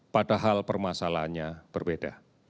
padahal permasalahannya berbeda